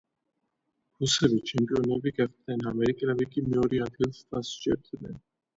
რუსები ჩემპიონები გახდნენ, ამერიკელები კი მეორე ადგილს დასჯერდნენ.